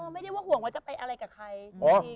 ไม่ได้ว่าห่วงว่าจะไปอะไรกับใคร